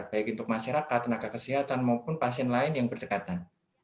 baik untuk masyarakat tenaga kesehatan maupun pasien lain yang berdekatan